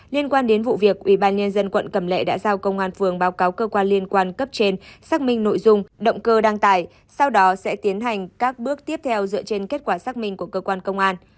liên quan đến vụ việc ubnd quận cầm lệ đã giao công an phường báo cáo cơ quan liên quan cấp trên xác minh nội dung động cơ đăng tải sau đó sẽ tiến hành các bước tiếp theo dựa trên kết quả xác minh của cơ quan công an